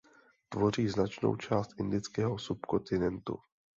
Tvoří značnou část indického subkontinentu.